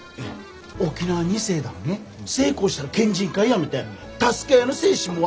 沖縄二世だのに成功したら県人会やめて助け合いの精神も忘れた人でなしさ。